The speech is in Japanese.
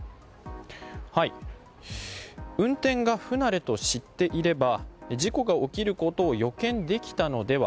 運転が不慣れと知っていれば事故が起きることを予見できたのでは？